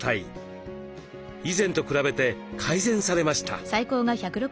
以前と比べて改善されました。